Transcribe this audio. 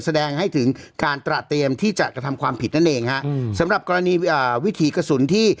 แสดงให้ถึงการตระเตรียมที่จะกระทำความผิดนั่นเองฮะอืมสำหรับกรณีอ่าวิถีกระสุนที่